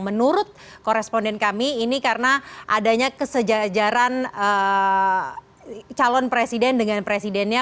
menurut koresponden kami ini karena adanya kesejajaran calon presiden dengan presidennya